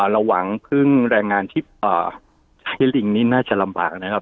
ระวังพึ่งแรงงานที่ใช้ลิงนี่น่าจะลำบากนะครับ